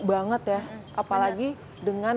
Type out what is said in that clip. banget ya apalagi dengan